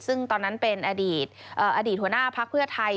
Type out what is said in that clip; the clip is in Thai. ซึ่งตอนนั้นเป็นอดีตหัวหน้าพักเพื่อไทย